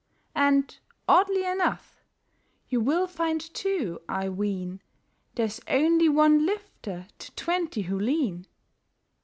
And, oddly enough, you will find too, I ween, There's only one lifter to twenty who lean.